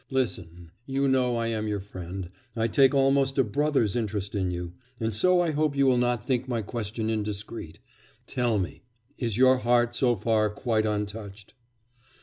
Listen: you know I am your friend; I take almost a brother's interest in you. And so I hope you will not think my question indiscreet; tell me, is your heart so far quite untouched?